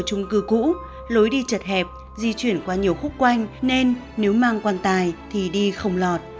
chung cư cũ lối đi chật hẹp di chuyển qua nhiều khúc quanh nên nếu mang quan tài thì đi không lọt